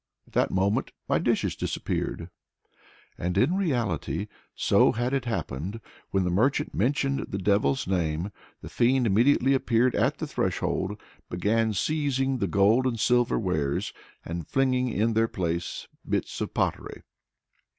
At that moment my dishes disappeared!" And in reality so had it happened. When the merchant mentioned the devil's name, the fiend immediately appeared at the threshold, began seizing the gold and silver wares, and flinging in their place bits of pottery.